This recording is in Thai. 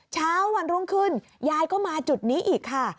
เช้าวันรุ่งขึ้นยายก็มาจุดนี้อีกค่ะ